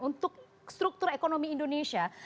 untuk struktur ekonomi indonesia